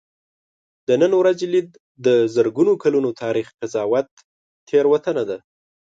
د نن ورځې لید د زرګونو کلونو تاریخ قضاوت تېروتنه ده.